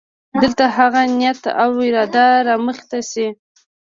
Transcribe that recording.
دلته هغه نیت او اراده رامخې ته شي.